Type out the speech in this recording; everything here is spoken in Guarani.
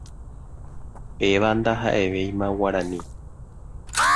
Péva ndahaʼevéima Guarani.